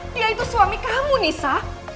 dia itu suami kamu nisa